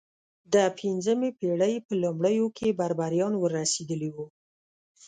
د پنځمې پېړۍ په لومړیو کې بربریان ور رسېدلي وو.